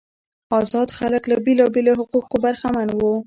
آزاد خلک له بیلابیلو حقوقو برخمن وو.